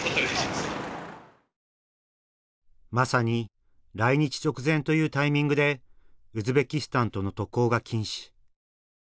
まさに来日直前というタイミングでウズベキスタンとの渡航が禁止。